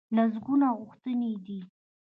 لسګونه غوښتنې دي.